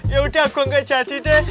yaudah gue gak jadi deh